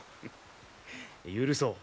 許そう。